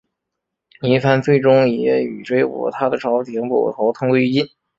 倪三最终也与追捕他的朝廷捕头同归于尽。